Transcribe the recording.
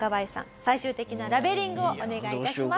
最終的なラベリングをお願いいたします。